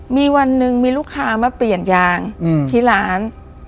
มีวันหนึ่งมีลูกค้ามาเปลี่ยนยางที่ร้าน